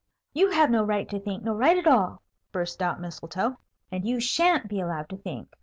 "You have no right to think, no right at all!" burst out Mistletoe. "And you sha'n't be allowed to think.